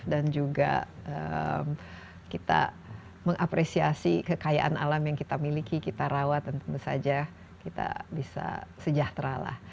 dan juga kita mengapresiasi kekayaan alam yang kita miliki kita rawat dan tentu saja kita bisa sejahteralah